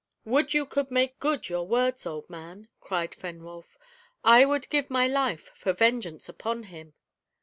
"Would you could make good your words, old man!" cried Fenwolf. "I would give my life for vengeance upon him."